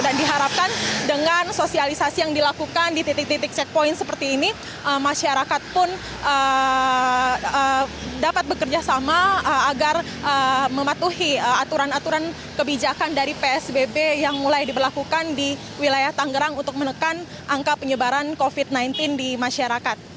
dan diharapkan dengan sosialisasi yang dilakukan di titik titik checkpoint seperti ini masyarakat pun dapat bekerjasama agar mematuhi aturan aturan kebijakan dari psbb yang mulai diberlakukan di wilayah tangerang untuk menekan angka penyebaran covid sembilan belas di masyarakat